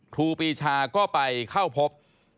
ครูปีชาก็ไปเข้าพบ